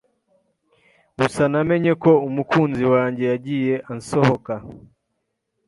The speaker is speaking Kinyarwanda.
Gusa namenye ko umukunzi wanjye yagiye ansohoka.